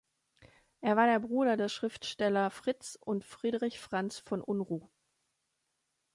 Er war der Bruder der Schriftsteller Fritz und Friedrich Franz von Unruh.